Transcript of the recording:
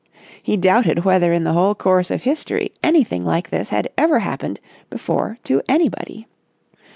He doubted whether in the whole course of history anything like this had ever happened before to anybody.